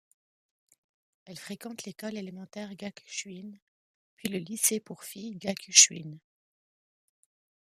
Elle fréquente l'école élémentaire Gakushūin puis le lycée pour filles Gakushūin.